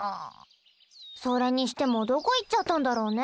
それにしてもどこ行っちゃったんだろうね